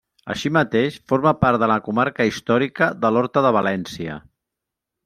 Així mateix forma part de la comarca històrica de l'Horta de València.